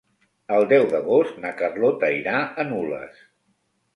El deu d'agost na Carlota irà a Nulles.